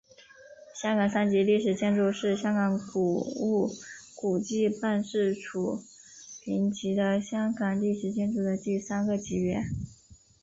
香港三级历史建筑是香港古物古迹办事处评级的香港历史建筑的第三个级别。